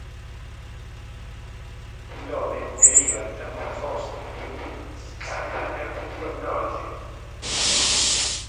Il nome deriva da Most Unique Scanner Technology.